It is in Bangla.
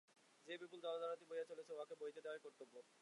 যে বিপুল জলধারাটি বহিয়া চলিয়াছে, উহাকে বহিতে দেওয়াই কর্তব্য।